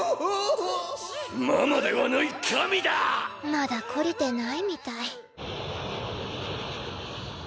まだ懲りてないみたい